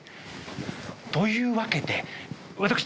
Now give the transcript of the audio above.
というわけで私